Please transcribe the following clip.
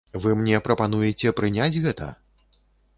Вы мне прапануеце прыняць гэта?